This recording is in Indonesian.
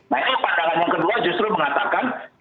nah itu pandangan yang kedua justru mengatakan